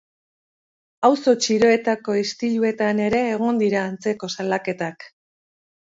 Auzo txiroetako istiluetan ere egon dira antzeko salaketak.